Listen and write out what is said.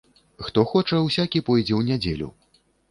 Хто хоча, усякі пойдзе ў нядзелю.